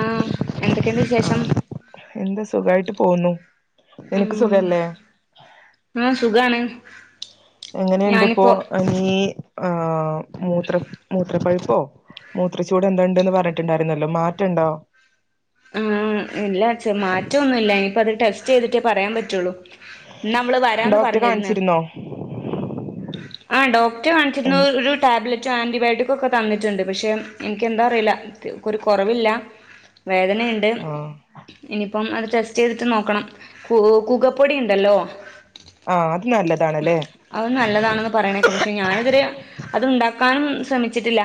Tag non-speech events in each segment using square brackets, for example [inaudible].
ആഹ് എന്തൊക്കെയുണ്ട് വിശേഷം? ആഹ് എന്താ സുഖായിട്ട് പോവുന്നു നിനക്ക് ഉം സുഖല്ലേ? ആഹ് സുഖാണ്. എങ്ങനെയുണ്ട് ഇപ്പോ ഞാനിപ്പോ നീ ആഹ് മൂത്ര മൂത്രപ്പഴുപ്പോ? മൂത്രച്ചൂടോ എന്തോണ്ടന്ന് പറഞ്ഞിട്ടുണ്ടായിരുന്നല്ലോ മാറ്റണ്ടോ? ആഹ് ഇല്ല മാറ്റൊന്നുല്ല ഇനിയിപ്പത് ടെസ്റ്റ് ചെയ്തിട്ടേ പറയാൻ പറ്റുള്ളൂ. ന്നവള് വരാന്ന് ഡോക്ടറെ പറഞ്ഞിരുന്ന്. കാണിച്ചിരുന്നോ ആഹ് ഡോക്ടറെ കാണിച്ചിരുന്നു എൻ ഒരു ടാബ്ലറ്റ്. റ്റ് ആന്റിബയോട്ടിക്കൊക്കെ തന്നിട്ടുണ്ട് പക്ഷേ എനിക്ക് എന്താ അറിയില്ല ഒരു കൊറവില്ല. വേദനയുണ്ട്? ആഹ് ഇനിയിപ്പം അത് ടെസ്റ്റ് ചെയ്തിട്ട് നോക്കണം കൂ കൂകപ്പൊടി ഇണ്ടല്ലോ? ആഹ് അത് നല്ലതാണ്ല്ലേ? അത് നല്ലതാണെന്ന് പറയണേക്ക പക്ഷെ ഞാനിത് വരെ അത്ണ്ടാക്കാനും ശ്രമിച്ചിട്ടില്ല.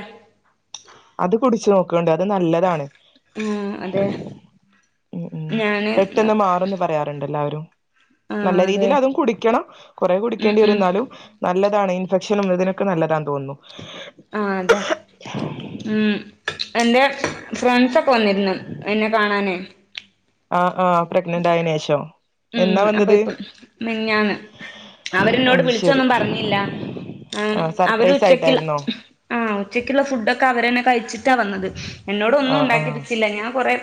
അത് കുടിച്ച് നോക്കോണ്ടു അത് നല്ലതാണ്. ളം അതെ ഉ ഉം ഞാന് പെട്ടെന്ന് മാറുംന്ന് പറയാറുണ്ടെല്ലാവരും ആ നല്ല അതെ രീതിയിലതും കുടിക്കണം കൊറേ ഉം കുടിക്കേണ്ടി ഉം വരുന്നാലും നല്ലതാണ് ഇൻഫെക്ഷനും ഇതിനൊക്കെ നല്ലതാ തോന്ന്ന്നു ആഹ് അതെ ഉം എന്തെ ഫ്രണ്ട്സൊക്കെ വന്നിരുന്നു എന്നെ കാണാനേ ആഹ് ആഹ് പ്രഗ്നന്റായേനേഷം ഉം അപ്പൊ ഇപ്പം മിനിഞ്ഞാന്ന് അവരിന്നോട് അത് ശരി വിളിച്ചൊന്നും പറഞ്ഞില്ല ആ അവരു സർപ്രൈസ് ഉച്ചക്കിള്ള ആയിട്ടായിരുന്നോ ആഹ് ഉച്ചയ്ക്കുള്ള ഫുഡൊക്കെ അവരന്നെ കഴിച്ചിട്ടാ വന്നത് എന്നോട് ഒന്നും ആഹ് ആഹ് ഉണ്ടാക്കിപ്പിച്ചില്ല ഞാൻ കൊറെ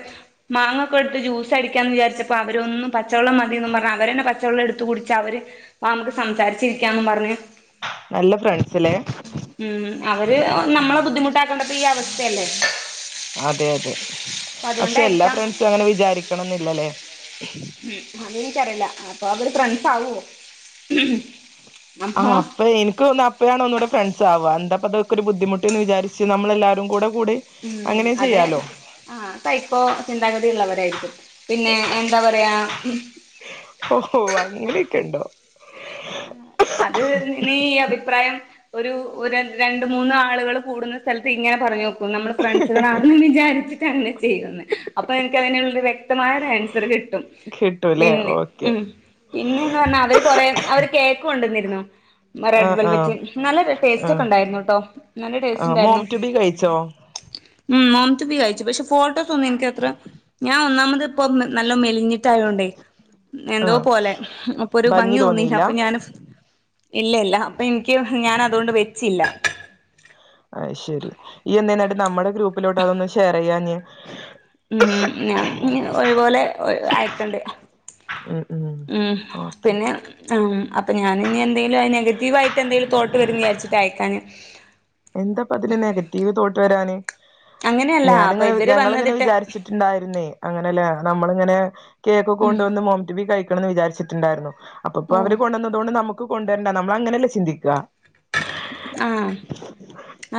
മാങ്ങക്കെട്ത്ത് ജ്യൂസടിക്കാന്ന് വിചാരിച്ചപ്പോ അവരൊന്നും പച്ചവെള്ളം മതീന്നും പറഞ്ഞ് അവരെന്നെ പച്ചവെള്ളം എടുത്ത് കുടിച്ച് അവര് വാമ്മക്ക് സംസാരിച്ചിരിക്കാന്നും പറഞ്ഞ് നല്ല ഫ്രണ്ട്സ് ലേ ഉം അവര് നമ്മളെ ബുദ്ധിമുട്ടാക്കേണ്ട പ്പയി അവസ്ഥയല്ലേ അതെ അതെ അപ്പൊ പക്ഷെ എല്ലാ അതുകൊണ്ടായിരിക്കാം ഫ്രണ്ട്സും അങ്ങനെ വിചാരിക്കണംന്നില്ലല്ലേ ഉം അതെൻക്കറിയില്ല അപ്പൊ അവര് ഫ്രണ്ട്സ് ആവോ? അപ്പൊ ആഹ് പ്പൊ എനിക്കോന്ന അപ്പം ഞാൻ ഒന്നൂടെ ഫ്രണ്ട്സാവ എന്താപ്പൊരു ബുദ്ധിമുട്ട്ന്ന് വിചാരിച്ച് നമ്മളെല്ലാരും കൂടെ കൂടിം അങ്ങനെ ചെയ്യാലോ ആഹ് തയ്പ്പോ ചിന്താഗതിള്ളവരായിരിക്കും പിന്നെ എന്താ പറയാ ഉം ഓഹ്ഓഹ്അങ്ങനെയൊക്കെണ്ടോ അത് നീ അഭിപ്രായം ഒരു രണ്ട്മൂന്ന് ആളുകൾ കൂടുന്ന സെൽത്ത് ഇങ്ങനെ പറഞ്ഞ്നോക്കൂ നമ്മൾ ഫ്രണ്ട്സുകളാണന്ന് വിചാരിച്ചിട്ട് അങ്ങനെ ചെയ്യുന്നെ അപ്പൊ എനക്ക്തിനുള്ളൊരു വെ ക്തമായൊരു ആൻസർ കിട്ടും കിട്ടൂല്ലേ പിന്നെ ഓക്കെ ഉം പിന്നെന്ന് പറഞ്ഞാ അവര് കൊറെ അവര് കേക്ക് കൊണ്ടന്നിരുന്നു റെഡ് ആഹ് ആഹ് വെൽവറ്റ് നല്ല ടേസ്റ്റൊക്കെ ആഹ് ഉണ്ടായിരുന്നുട്ടോ നല്ല ആഹ് മോം ടേസ്റ്റ്ണ്ടായിരുന്നു ടു ബി കഴിച്ചോ ഉം മോംട്ടുബി കയ്ച്ചു പക്ഷെ ഫോട്ടോ സോന്നും ഇൻക്കത്ര ഞാ ഒന്നാമത്പ്പം നല്ലോ മെലിഞ്ഞി ട്ടായോണ്ടെ എന്തോ ആഹ് പോലെ അപ്പൊരു ഭംഗി തോന്നില ഇല്ല ഇല്ല ഇപ്പിൻക്ക് ഞാനതോണ്ട് വെച്ചില്ല അയ്ശെരി ഇയന്തേന്നട്ട് നമ്മുടെ ഗ്രൂപ്പിലോട്ട് അതൊന്ന് ഷെയർ ചെയ്യാഞ്ഞെ ഉം ഞാഞ്ഞ് ഒയ് വോലെ അയക്കണ്ട് ഉം ഓക്കെ പിന്നെ ആഹ് ഉം അപ്പൊ ഞാനിനി എന്തെലും നെഗറ്റീവ് ആയിട്ട്ന്തെലും തോട്ട് വരുംന്ന് വിചാരിച്ചിട്ട് അയക്കാഞ്ഞെ എന്താപ്പതില് നെഗറ്റീവ് തോട്ട് വെരാന് അങ്ങനെയല്ല അപ്പൊ ഞാനിങ്ങനെ ഇവര് ഞങ്ങളിങ്ങനെ വന്നതിട്ട് വിചാരിച്ചിട്ടുണ്ടായിരുന്നേ അങ്ങനെലേ നമ്മളിങ്ങനെ ഉം കേക്കൊക്കെകൊണ്ടുവന്ന് മോംടുബി കഴിക്കണംന്ന് വിചാരിച്ചി ണ്ടാര്ന്നു ഓ അപ്പപ്പോവര് കൊണ്ടന്നതോണ്ട് നമക്ക് കൊണ്ടുവരണ്ട നമ്മളങ്ങനെയല്ലേ ചിന്തിക്ക ആഹ്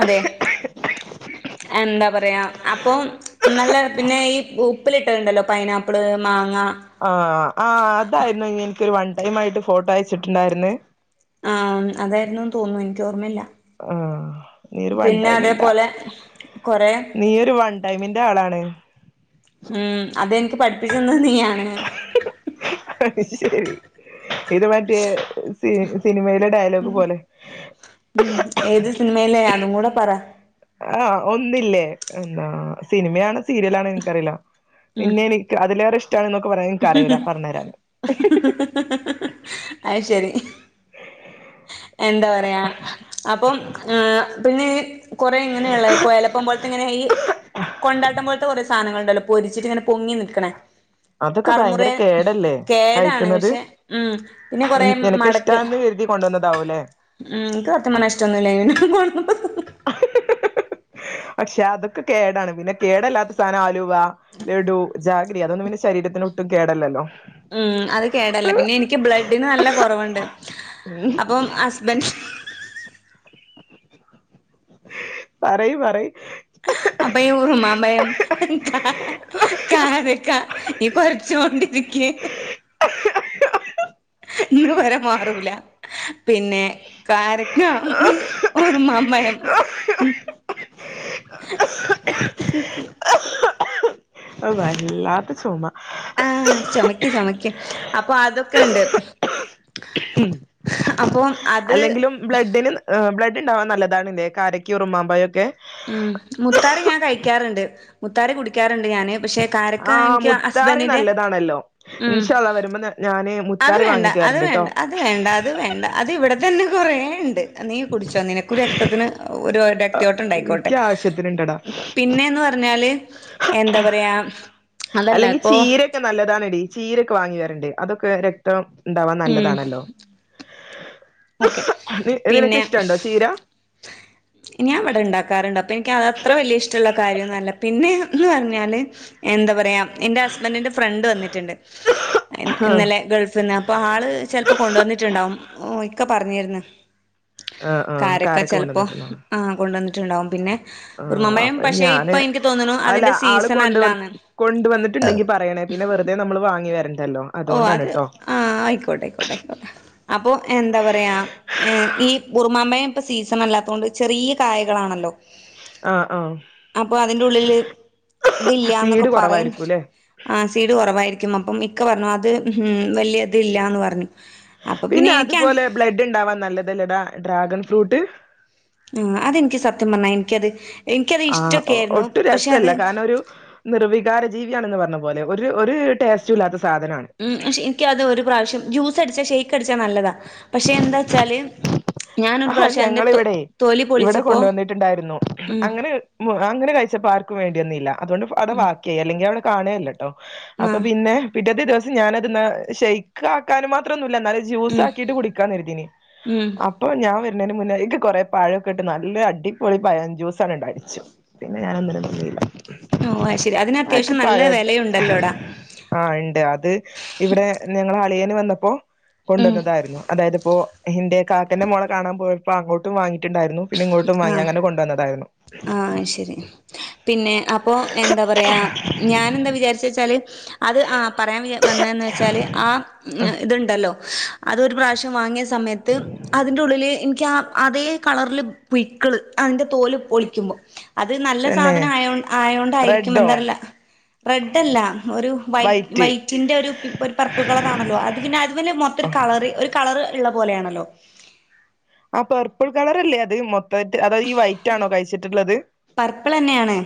അതെ എന്താ പറ റ്യാ അപ്പൊ നല്ല പിന്നെ ഈ ഉപ്പിലിട്ടത്ണ്ടല്ലോ പൈനാപ്പിള് മാങ്ങ ആഹ് ആഹ് അതായിരുന്നു ഇയെനിക്കൊരു വൺ ടൈം ആയിട്ട് ഫോട്ടോ അയച്ച്ട്ടുണ്ടായിരുന്നേ ആഹ് അതായിരുന്നു തോന്ന്ണു ൻക്ക് ഓർമ്മല്ല ആഹ് നീ ഒരു വൺടൈംമില്ല അതേപോലെ കൊറെ നീയൊരു വൺ ടൈമിന്റെ ആളാണ് ഉം അതെൻക്ക് പഠിപ്പിച്ചെന്നത് നീയാണ് അയ്ശെരി ഇത് മറ്റേ സി സിനിമയിലെ ഡ യലോഗ് പോലെ ഉം ഏത് സിനിമയിലേ അതും കൂടെ പറ ആ ഒന്നില്ലേ എന്താ സിനിമേണോ സീരിയലാണോ ഇൻക്കറില്ല ഉം പിന്നെ എനി അതിലേറെ ഇഷ്ടണന്നൊക്കെ പറയാൻനക്കറീല പറഞ്ഞു തരാ അയ് ശരി എന്താ പറയാ അപ്പം ഏ പിന്നെ കുറേ ഇങ്ങനെയുള്ള കൊയലപ്പം പോലത്തെ ഇങ്ങനെ ഈ കൊണ്ടാട്ടം പോലത്തെ കൊറെ സാധനങ്ങളുണ്ടല്ലോ പൊരിച്ചിട്ട്ങ്ങനെ പൊങ്ങി നിക്കണേ അതൊക്കെ ഭയങ്കര കർമുറയൻ കേടല്ലേ കേടാണ് കഴിക്കുന്നത് പക്ഷെ ഉം പിന്നെ കൊറെ നിനക്ക് ഇഷ്ടാന്ന് കരുതി കൊണ്ടന്നതാവൂല്ലേ ഉംൻക്ക് സത്യംപർഞാഷ്ടൊന്നുല്ലേ നി [unintelligible] പക്ഷെ അതൊക്കെ കേടാണ് പിന്നെ കേടല്ലാത സാന ആലുവ ലഡു ജാഗിരി അതൊന്നും പിന്നെശരീരത്തിന് ഒട്ടും കേടല്ലല്ലോ? ഉം അത് കേടല്ല പിന്നെ എനിക്ക് ബ്ലഡിന് നല്ല കൊറവ്ണ്ട് അപ്പം ഹസ്ബൻഡ് പറയു പറയ് അപ്പയ യി ഉറുമാമ്പയം കാരക്ക ഇ കൊരച്ചോണ്ടിരിക്ക ന്ന്‌ കൊര മാറൂല പിന്നെ കാരക്ക ഉറുമാമ്പയം ഉ ഓ വല്ലാത്ത ചുമ ആ ചൊമക്ക് ചൊമക്ക് അപ്പൊ അതൊക്കെ ഉണ്ട് അപ്പം അത് അല്ലെങ്കിലും ബ്ലഡിന് ബ്ലഡ്ഡ് ഉണ്ടാവാൻ നല്ലതാണ്ണല്ലേ കാരക്ക ഉറുമാമ്പാ ഴൊക്കെ ഉം മുത്താറി ഞാൻ കഴിക്കാറുണ്ട് മുത്താറി കുടി ക്കാറ്ണ്ട് ഞൻ ആഹ മുത്താറി നല്ലതാണല്ലോ ഉം ഇൻഷള്ള വരുമ്പോ ഞാന് അത് മുത്താറി വേണ്ട വാങ്ങിട്ട് അത് വരണ്ട്ട്ടോ വേണ്ട അത് വേണ്ട അത് വേണ്ട അത് ഇവിടെ തന്നെ കൊറേണ്ട് നീ കുടിച്ചോ നിനക്കുരക്തത്തിന് ഒരു രക്തയോട്ട ഉണ്ടായിക്കോട്ടെ എനിക്ക് ആവശ്യത്തിനുണ്ടടാ പിന്നേന്ന് പറഞ്ഞാല് എന്താ പറയാ അതല്ല അല്ലെങ്കിൽ ഇപ്പൊ ചീരൊക്കെ നല്ലതാണടി ചീരക്കെ വാങ്ങി വരണ്ട് അതൊക്കെ രക് ട്ടം ണ്ടാവാൻ ഉം നല്ലതാണല്ലോ ഓക്കെ നിനക്ക് ഇഷ്ടുണ്ടോ ചീര ഇനി അവിടെ ഉണ്ടാക്കാറുണ്ട് അപ്പൊ എനിക്ക് അത് അത്ര വലിയ ഇഷ്ടമുള്ള കാര്യാന്നല്ല പിന്നെന്ന് പറഞ്ഞാല് എന്താ പറയാ എന്റെ ഹസ്ബൻഡിന്റെ ഫ്രണ്ട് വന്നിട്ടുണ്ട് ആഹ് ഇന്നലെ ഗൾഫ് അപ്പൊ ആള് ചെലപ്പോ കൊണ്ടുവന്നിട്ടുണ്ടാവും ഇക്കെ പറഞ്ഞിരുന്ന് ആഹ് ആഹ് കാരക്ക ചെലപ്പോ ആ കൊണ്ടന്നിട്ടുണ്ടാവും പിന്നെ ആ ഉറുമമ്പഴം അപ്പൊ പക്ഷേ ഞാന് ഇപ്പൊ എനിക്ക് തോന്നുന്നു അല്ല അതിന്റെ ആള് സീസൺ കൊണ്ട് അല്ലാന്ന് കൊണ്ടുവന്നിട്ടുണ്ടെങ്കി പറയണ പിന്നെ വെറുതെ നമ്മള് വാങ്ങി വരണ്ടല്ലോ ഓ അതുകൊണ്ടാണ് അത് ട്ടോ ആ ആയിക്കോട്ടെ ആയിക്കോട്ടെ ആയിക്കോട്ടെ അപ്പൊ എന്താ പറയാ ഏ ഈ ഉറുമാമ്പയം ഇപ്പൊ സീസൺ അല്ലാത്തുകൊണ്ട് ചെറിയ കായകളാണല്ലോ? ആഹ് ആഹ് അപ്പൊ അതിന്റെ ഉള്ളില് ഇതില്ലന്നൊക്കെ സീഡ് പറയുന്നുണ്ട് കുറവായിരിക്കൂല്ലേ ആ സീഡ് കുറവായിരിക്കും അപ്പം ഇക്കെ പറഞ്ഞു അത് വലിയ ഇതില്ലാന്ന് പറഞ്ഞു അപ്പൊ പിന്നെ എനിക്കാ അതുപോലെ ബ്ലെഡ്ണ്ടാവാൻ നല്ലതല്ലെടാ ഡ്രാഗൺ ഫ്രൂട്ട് ആ അതെൻക്ക് സത്യം പറഞ്ഞാൽ എൻക്കത് ആ ഒട്ടും രസല്ല കാരണം ഒരു നിർവികാര ജീവിയാണെന്ന് പറഞ്ഞ പോലെ ഒരു ഒരു ടേസ്റ്റും ല്ലാത്ത സാധനാണ് ഉക്ഷെ എനിക്ക അത് ഒരു പ്രാവശ്യം ജ്യൂസ് അടിച്ചാ ഷെയ്ക്ക് അടിച്ചാ നല്ലതാ പക്ഷെ എന്താ ച്ചാല് ആഹാ ഞങ്ങിവിടെ ഇവിടെ പൊളിച്ചപ്പോ കൊണ്ട് വന്നിട്ടുണ്ടായിരുന്നു ഉം അങ്ങനെ അങ്ങെ കഴിച്ചപ്പോ ആർക്കും വേണ്ടിവന്നില്ല അതൊണ്ട് അടെ വാക്കിയേ അല്ലെങ്കി അവടെ കാണേല്ല അപ്പൊ ആഹ് പിന്നെ പിറ്റത്തെ ദിവസം ഞാനത് ശയ്ക്ക് ആക്കാനും മാത്രം ന്നുല്ലന്നാലും ജ്യൂസ് ഉം ആക്കിട്ട് കുടിക്കാന്നരു തീനി ഉം പ്പൊ ഞാൻ വര്ന്നേന് മുന്നേ ഇക്ക് കൊറെ പഴൊക്കെട്ട് നല്ല അടിപൊളി പയം ജ്യൂസണ് ഇണ്ടാക്കിച്ചു പിന്നെ ഞാനൊന്നിനും നിന്നില്ല ഓ അയ്ശരി അതിന് അത്യാവശ്യം നല്ല വെലയു ണ്ടല്ലോടാ ആ ഇണ്ട്. അത് ഇവിടെ ഞങ്ങളെ അളിയന് വന്നപ്പോ ഉം കൊണ്ടുവന്നതായിരുന്നു, അതായത്പ്പോ എന്റെ കാക്കന്റെ മോളെ കാണൻ പോയപ്പോ അങ്ങോട്ടും വാങ്ങിട്ടുണ്ടായിരുന്നു പിന്നെ ഇങ്ങോട്ടും വാങ്ങി ആഹ് അങ്ങനെ കൊണ്ടുവന്നതാ ആഹ് അയ്ശരി പിന്നെ അപ്പൊ എന്ത പറയാ ഞാനെന്താ വിചാരിച്ചേച്ചാല് അത് ആഹ് പറയാൻ വിച വന്നന്ന് വെച്ചാല് ആഹ് ഇത്ണ്ടല്ലോ അതൊരു പ്രാവശ്യം വാങ്ങിയ സമയത്ത് അതിന്റെ ഉള്ളില് ഇൻക്യാ അതേ കളറില് പുയ്ക്കള്. അതിന്റെ തോല് പൊളിക്കുമ്പോ അത് നല്ല തന്നെ സാധനം ആയോ ആയോണ്ടായിരിക്കും റെഡോ എന്താർല റെഡ്ഡല്ല ഒരു വൈ വൈറ്റ് വൈറ്റിന്റെ ഒരു പി ഒരു പർപ്പിൾ കളറാണല്ലോ അത് - പിന്നെ അത് മ്മല് മൊത്തരുകളർ ഒരു കളറ് ഇള്ള പോലേണല്ലോ ആ പെർപ്പിൾ കളറല്ലേ അത്. മൊത്തവായിട്ട് അതൊ ഈ വൈറ്റ് ആണോ കഴിച്ചിട്ടുള്ളത് പർപ്പിളന്നേണ്.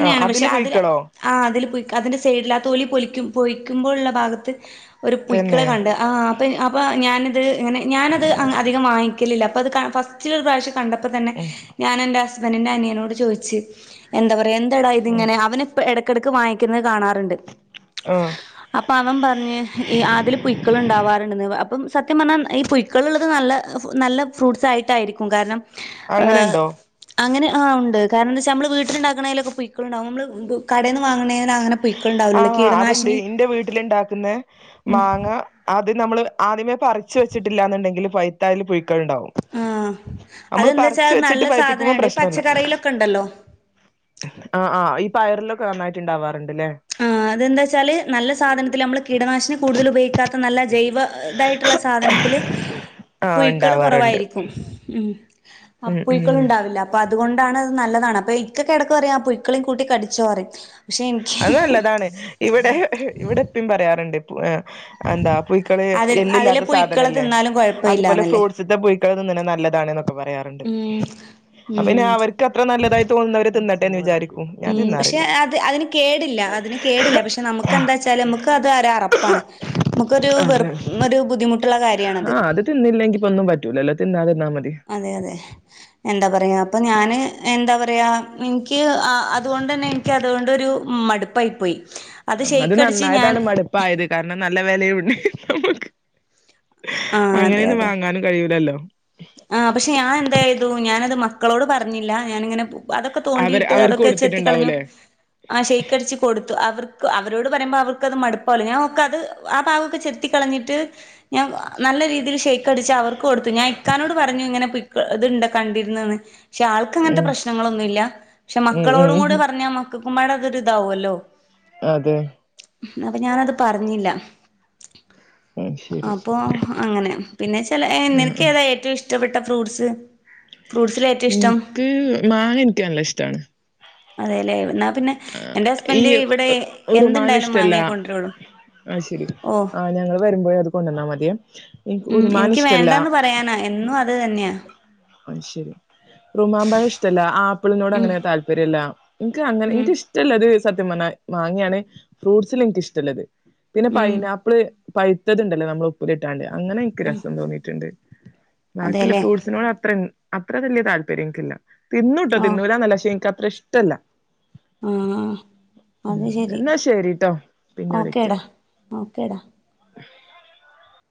ആ പക്ഷെ അതില് അതില പുഴുക്കളോ ആ അതില് പുയ് അതിന്റെ സൈഡിലാ തൊലി പൊലിക്കു പൊഴിക്കുമ്പോള്ള ഭാഗത്ത് ഒരു പുയ്ക്കള തന്നെ കണ്ട് ആഹ് അപ്പം അപ്പ ഞാനിത് ഇങ്ങനെ ഞാനത് അധികം വാങ്ങിക്കലില്ല അപ്പോൾ അത് ഫസ്റ്റിലൊരു പ്രാവശ്യം കണ്ടപ്പോ പ്പ തന്നെ ഉം ഞാനെന്റെ ഹസ്ബന്റിന്റെ അനിയനോട് ചോയ്ച്ച് എന്താ പറയാ എന്താടാ ഉം ഇതിങ്ങനെ, അവന് പ്പ എടക്കെടക്ക് വാങ്ങിക്കുന്നത് കാണാറ്ണ്ട് ആഹ് അപ്പവൻ പർ ഞ്ഞ് ഈ ആതില് പുയ്ക്കൾ ഉണ്ടാവാറുണ്ട്ന്ന് അപ്പം സത്യം പറഞ്ഞാൽ ഈ ക്കളുള്ളത് നല്ല നല്ല ഫ്രൂട്ട്സ് ആയിട്ടായിരിക്കും കാരണം ഏഹ് അങ്ങനെണ്ടോ അങ്ങനെ ആഹ് ഉണ്ട് കാരണന്താച്ചാ നമ്മള് വീട്ടിലുണ്ടാക്കണേലൊക്കെ പുയ്ക്കളുണ്ടാവും നമ്മള് കടേന്ന് വാങ്ങണേനങ്ങനെ ആഹ് അത്ണ്ട് ഇന്റെ വീട്ടില്ണ്ടാക്ക്ന്നെ മാങ്ങ അത് നമ്മൾ ആദ്യമേ പറിച്ചു വെച്ചിട്ടില്ലാന്ന്ണ്ടെങ്കിൽ പൈത്ത അയ്ല് പുയ്ക്കൾണ്ടാവും ആഹ് അതെന്താച്ചാ നല്ല സാധനായോണ്ട്. ഈ പച്ചക്കറീലൊക്കെണ്ടല്ലോ ആ ആഹ് ഈ പയറിലൊക്കെ നന്നായിട്ട് ണ്ടാവാറ്ണ്ട്ലേ അ എതെന്താെച്ചാല് നല്ല സാധനത്തിലമ്മൾ കീടനാശിനി കൂടുതൽ ഉപയോഗിക്കാ നല്ല ജൈവ തായിട്ട്ള്ള സാധനത്തില് ആഹ് പുയ്ക്കൾ ഇണ്ടാവാറുണ്ട് കുറവായിരി ക്കും. ഉം അ ഉം ഉം പുയ്ക്കള്ണ്ടാവില്ല അപ്പതുകൊണ്ടാണ് അത് നല്ലതാണ്. അപ്പൊ ഇക്കൊക്കെ എടക്ക് പറയും. ആപുയ്ക്കള്യും കൂട്ടി കടിച്ചോ റിം. ക്ഷെ ഇൻക്കി ല്ലതാണ്. ഇവിടെ ഇവിടെ പ്പിം പറയാറുണ്ട് എ എന്താ പുയ്ക്കള് അതിൽ അതിലെ എല്ല്ല്ലാത്ത പുഴുക്കളെ സാധനല്ലേ തിന്നാലും അതുപോലെ ഫ്രൂ കുഴപ്പമില്ലാന്നല്ലേ ഡ്സ്ത്തെ പുയ്ക്കളെ തിന്നണെ നല്ലതാണ്‌ ന്നൊക്കെ പറയാറ്ണ്ട്. ഉം അത് പിന്നെ ഉം അവർ ക്കത്ര നല്ലതായി തോന്നുന്നവര് തിന്നട്ടെന്ന് വിചാരിക്കും ഞാൻ ഉം പക്ഷെ തിന്നാറില്ല അത് അയ്ന് കേടില്ല അതിന് കേടില്ല പക്ഷെ നമുക്കന്താച്ചാല് നമുക്ക് അത് ഒരറപ്പാണ് നമുക്കൊരു വെറു അതെ ഒരു ബുദ്ധിമുട്ടുള്ള കാര്യാണ് ആഹ് അത് തിന്നില്ലെങ്കിപ്പൊന്നും പറ്റൂലല്ലോ. തിന്നാതിര്ന്നാ മതി അതെ അതെ എന്താ പറയാ അപ്പൊ ഞാന് എന്താ പറയാ ഇൻക്ക് അതുകൊണ്ടന്നെ ക്യതുകൊണ്ടൊരു മടുപ്പായി പോയി അത് ഷെയ്ക്കടിച്ച് ഞാൻ നന്നായതാണ് മട് പ്പായത്. കാരണം, നല്ല വെലയുണ്ട് നമു ക്ക് ആ അതെ അങ്ങനെന്നും അതെ വാങ്ങാനും കഴിയൂലല്ലോ ആഹ് പക്ഷെ ഞാൻ എന്തായ്തു, ഞാനത് മക്കളോട് പറഞ്ഞില്ല ഞാാനിങ്ങനെ ബു അതൊക്കെ അവര് തോണ്ടിയിട്ട്, അവർക്ക് അതൊക്കെ ചെത്തിക്കളഞ്ഞു കൊടുത്തിട്ടുണ്ടാവൂലേ ആഹ് ഷെയ്ക്കടിച്ച് കൊടുത്തു. അവർക്ക് അവരോട് പറയുമ്പോ അവർക്കത് മടുപ്പോലെ, ഞാൻ ഒക്കത് ആ ഭാഗൊക്കെ ചെത്തി ത്തി കളഞ്ഞിട്ട് ഞാൻ നല്ല രീതിയിൽ ഷേക്ക് അടിച്ചവർക്ക് കൊടുത്തു ഞാ ഇക്കാനോട് പറഞ്ഞു ഇങ്ങനെ പിക്ക ഇത്ണ്ട് കണ്ടിരുന്നന്ന് പക്ഷെ ആൾക്കങ്ങനത്തെ ഉം പ്രശ്നങ്ങളൊന്നുമില്ല പക്ഷെ ഉം മക്കളോടും ഉം കൂടി പറഞ്ഞാൽ മക്കൾക്കുംമ്പാട് അതൊരിതാവുമല്ലോ അതെ അപ്പൊ ഞാനത് പറഞ്ഞില്ല അത് ശരി. അപ്പൊ അങ്ങനെ പിന്നെ ചില ഉം നിനക്ക ഉം. ഏത ഏറ്റം ഇഷ്ടപ്പെട്ട ഫ്രൂട്ട്സ് ഫ്രൂട്ട്സിൽ ഏറ്റവും ഇഷ്ടം എനിക്ക് മാങ്ങ എനിക്ക് നല്ല ഇഷ്ടമാണ് അതെല്ലെ ന്നാ പിന്നെ എന്റെ ഈ ഹസ്ബൻഡ് ഇവിടെ എന്തുണ്ടായാലും മാങ്ങയേ കൊണ്ടരുള്ളൂ ആ ശരി ആ ഞങ്ങള് വരുമ്പോഴ അത് കൊണ്ടന്നാ മതിയൊ എനിക് ഉം എനിക്ക് ഒരുമാനിഷ്ടല്ല വേണ്ടാന്ന് പറയാനാ എന്നും അത് തന്നെയാ അത് ശരി റുമാമ്പഴം ഇഷ്ടമല്ല ആപ്പിളിനോട് ഉം അങ്ങനെ താല്പര്യംല്ല എനിക്ക്‌ അങ്ങനെ ഉം എന ഇഷ് ഇഷ്ടമുള്ളത് സത്യം പറഞ്ഞാൽ മാങ്ങയാണ് ഫ്രൂട്ട്സിൽ എനിക്ക് ഇഷ്ടമുള്ളത് പിന്നെ ഉം പൈനാ പ്പിള് പൈത്തതുണ്ടല്ലോ നമ്മൾ ഉപ്പിലിട്ടാണ്ട് അങ്ങനെ എനിക്ക് രസം തോന്നിയിട്ടുണ്ട് ബാക്കിയുള്ള അതെല്ലേ ഫ്രൂട്ട്സിനോട് അത്ര അത്ര വലിയ താല്പര്യമെനിക്കില്ല തിന്നുട്ടോ ഓ തിന്നുലാന്നല്ല ശേ നിക്കത്ര ഇഷ്ടല്ല ആഹ് അത് ഉം ശരി എന്നാ ശരിട്ടോ പിന്നെ വിളിക്കാം ഓക്കേടാ ഓക്കേടാ